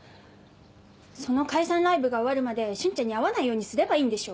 その解散ライブが終わるまで瞬ちゃんに会わないようにすればいいんでしょ？